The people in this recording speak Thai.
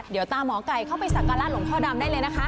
เดี๋ยวตามหมอไก่เข้าไปสักการะหลวงพ่อดำได้เลยนะคะ